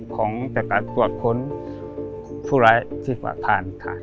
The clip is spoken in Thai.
ของจัดการตรวจค้นผู้ร้ายที่ผ่านค่ะ